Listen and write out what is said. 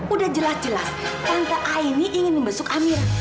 udah jelas jelas tante aini ingin membesuk amira